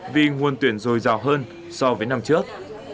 vì nguồn tuyển dồi dào hơn so với năm trước